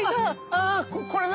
あこれね。